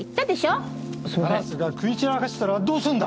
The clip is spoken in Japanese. カラスが食い散らかしたらどうすんだ！